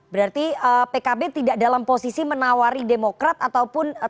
berarti pkb tidak dalam posisi menawari demokrat ataupun